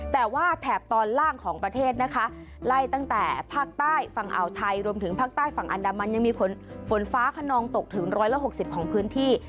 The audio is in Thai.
แต่ว่าแถบตอนล่างของประเทศนะคะไล่ตั้งแต่ภาคใต้ฝั่งอ่าวไทยรวมถึงภาคใต้ฝั่งอันดามันยังมีฝนฟ้าขนองตกถึง๑๖๐ของพื้นที่